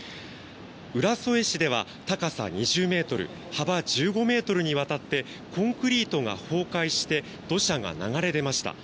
浦添市では高さ２０ｍ、幅１５ｍにわたってコンクリートが崩壊して土砂が流れ出ました。